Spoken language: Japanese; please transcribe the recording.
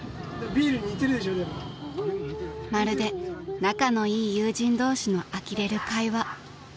［まるで仲のいい友人同士のあきれる会話］